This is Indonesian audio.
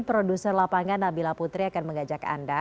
produser lapangan nabila putri akan mengajak anda